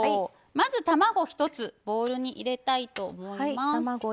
卵１つボウルに入れたいと思います。